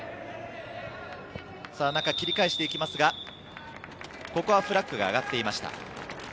中、切り替えしてきますが、ここはフラッグが上がっていました。